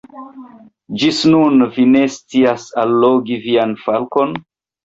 Ĝis nun vi ne scias allogi vian falkon?